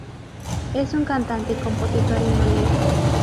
Es un cantante y compositor indonesio.